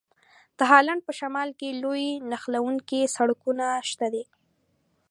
د هالند په شمال کې لوی نښلوونکي سړکونه شته دي.